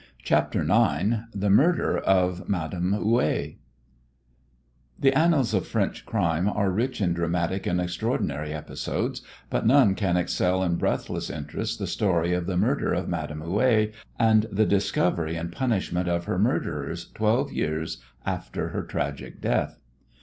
CHAPTER IX THE MURDER OF MADAME HOUET The annals of French crime are rich in dramatic and extraordinary episodes, but none can excel in breathless interest the story of the murder of Madame Houet and the discovery and punishment of her murderers twelve years after her tragic death.